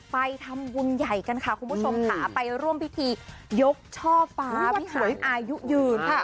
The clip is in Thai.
ไปทำบุญใหญ่กันค่ะคุณผู้ชมค่ะไปร่วมพิธียกช่อฟ้าไม่สวยอายุยืนค่ะ